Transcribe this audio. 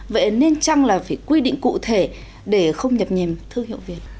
vậy nên chăng là phải quy định cụ thể để không nhập nhềm thương hiệu việt